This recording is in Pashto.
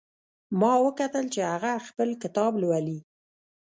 ما وکتل چې هغه خپل کتاب لولي